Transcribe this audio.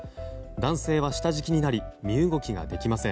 男性は下敷きになり身動きができません。